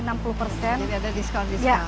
jadi ada diskon diskon